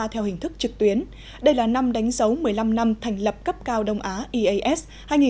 theo hình thức trực tuyến đây là năm đánh dấu một mươi năm năm thành lập cấp cao đông á eas hai nghìn năm hai nghìn hai mươi